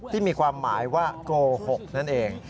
ที่มีความหมายว่าโกหกนั่นเอง